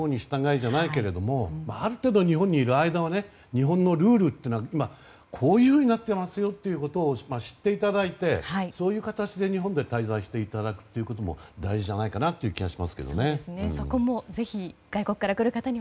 郷に入ったら郷に従えじゃないけどある程度日本にいる間はこういうふうになっていますよということを知っていただいてそういう形で日本に滞在していただくのも大事じゃないかなという気はしますけどね。